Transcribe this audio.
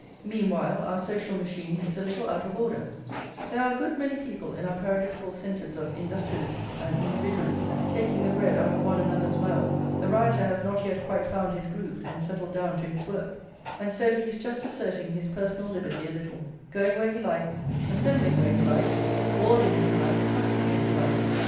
Meanwhile, our social machine is a little out of order; there are a good many people in our paradisiacal centres of industrialism and individualism taking the bread out of one another's mouths; the rioter has not yet quite found his groove and settled down to his work, and so he is just asserting his personal liberty a little, going where he likes, assembling where he likes, bawling as he likes, hustling as he likes.